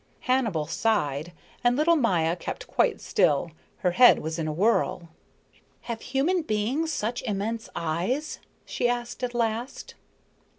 Hannibal sighed, and little Maya kept quite still. Her head was in a whirl. "Have human beings such immense eyes?" she asked at last.